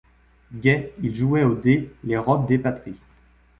Gais, ils jouaient aux dés les robes des patries ;